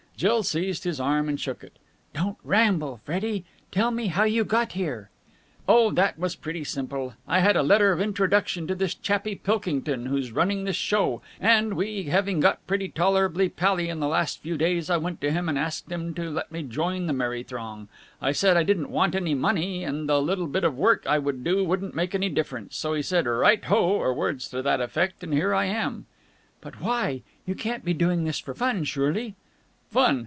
Jill seized his arm and shook it. "Don't ramble, Freddie! Tell me how you got here." "Oh, that was pretty simple. I had a letter of introduction to this chappie Pilkington who's running this show, and, we having got tolerably pally in the last few days, I went to him and asked him to let me join the merry throng. I said I didn't want any money, and the little bit of work I would do wouldn't make any difference, so he said 'Right ho!' or words to that effect, and here I am." "But why? You can't be doing this for fun, surely?" "Fun!"